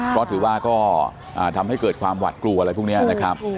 เพราะถือว่าก็ทำให้เกิดความหวัดกลัวอะไรพวกนี้นะครับ